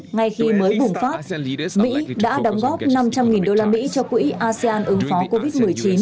ngay khi mới bùng phát mỹ đã đóng góp năm trăm linh đô la mỹ cho quỹ asean ứng phó covid một mươi chín